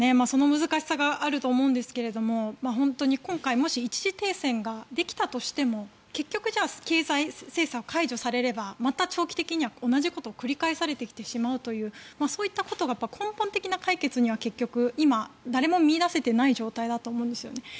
その難しさがあると思いますが本当に今回もし一時停戦ができたとしても結局、じゃあ経済制裁が解除されればまた長期的には同じことが繰り返されてきてしまうというそういったことが根本的な解決には結局今、誰も見いだせていない状況だと思うんですよね。